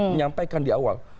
menyampaikan di awal